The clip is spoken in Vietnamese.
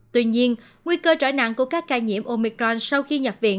tuy nhiên nguy cơ trở nặng của các ca nhiễm omicron sau khi nhập viện